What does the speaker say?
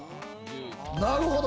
なるほど。